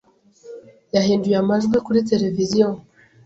Yahinduye amajwi kuri tereviziyo.